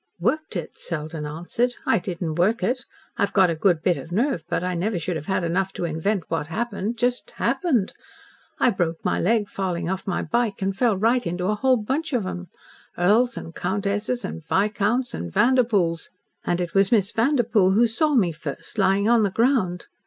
"Worked it!" Selden answered. "I didn't work it. I've got a good bit of nerve, but I never should have had enough to invent what happened just HAPPENED. I broke my leg falling off my bike, and fell right into a whole bunch of them earls and countesses and viscounts and Vanderpoels. And it was Miss Vanderpoel who saw me first lying on the ground.